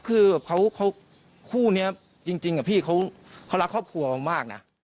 คือแบบเขาคู่นี้จริงพี่เขารักครอบครัวมากนะ